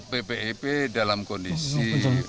bpip dalam kondisi